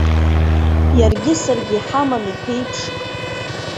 Иаргьы саргьы иҳамами ԥеиԥшк.